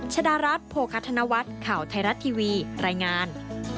ชดารัฐโภคธนวัฒน์ข่าวไทยรัฐทีวีรายงาน